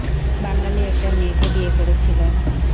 বাঙালি একটি মেয়েকে বিয়ে করেছিল।